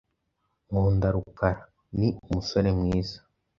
Nkunda Rukara . Ni umusore mwiza.